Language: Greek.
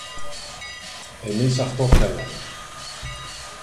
Εμείς αυτό θέλαμε